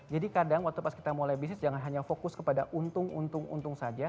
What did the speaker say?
jadi kadang waktu pas kita mulai bisnis jangan hanya fokus kepada untung untung untung saja